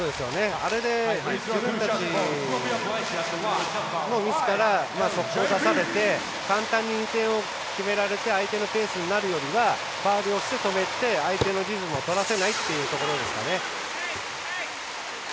あれで自分たちのミスから速攻を出されて簡単に２点を決められて相手のペースになるよりはファウルをして止めて相手のリズムをとらせないというところですかね。